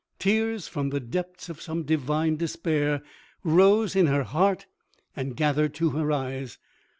Tears from the depths of some divine despair rose in her heart and gathered to her eyes.